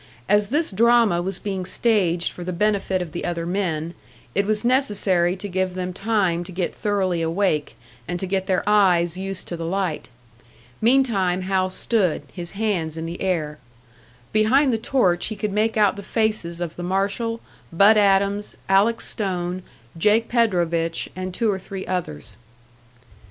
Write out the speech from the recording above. As this drama was being staged for the benefit of the other men, it was necessary to give them time to get thoroughly awake, and to get their eyes used to the light. Meantime Hal stood, his hands in the air. Behind the torch he could make out the faces of the marshal, Bud Adams, Alec Stone, Jake Predovich, and two or three others.